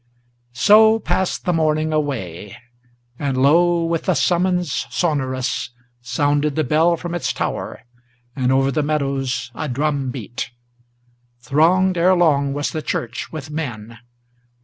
So passed the morning away. And lo! with a summons sonorous Sounded the bell from its tower, and over the meadows a drum beat. Thronged erelong was the church with men.